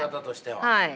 はい。